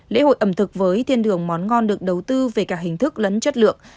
lễ hội ẩm thực với thiên đường món ngon được đầu tư về cả hình thức lẫn chất lượng